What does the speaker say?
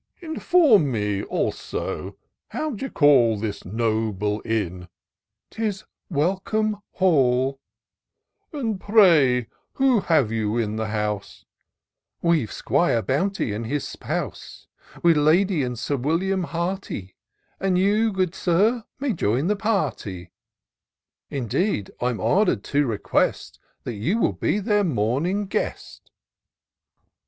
" Inform me, also, how you call This noble inn ?"« 'Tis Welcome Halir " And pray who have you in the house ?"" WeVe 'Squire Bounty and his spouse ; With Lady and Sir William Hearty, And, youi, good Sir, may join the party: Indeed, I'm order'd to request That you will be their morning guest."